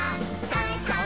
「さあさあ